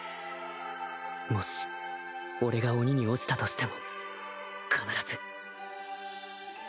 もし俺が鬼に堕ちたとしても必ず